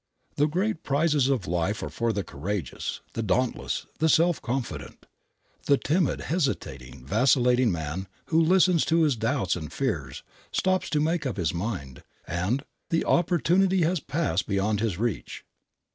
The great prizes of life are for the courageous, the dauntless, the self confident. The timid, hesitating, vacillating man who listens to his doubts and fears stops to make up his mind, and the opportunity has passed beyond his reach.